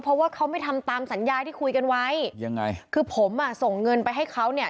เพราะว่าเขาไม่ทำตามสัญญาที่คุยกันไว้ยังไงคือผมอ่ะส่งเงินไปให้เขาเนี่ย